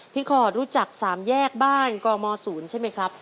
พี่ขอรู้จักสามแยกบ้านกมศูนย์ใช่ไหมครับ